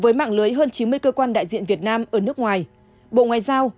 với mạng lưới hơn chín mươi cơ quan đại diện việt nam ở nước ngoài bộ ngoại giao